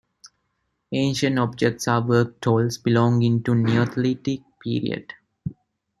Ancient objects are work tolls belonging to the Neolithic period.